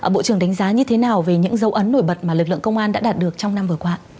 bộ trưởng đánh giá như thế nào về những dấu ấn nổi bật mà lực lượng công an đã đạt được trong năm vừa qua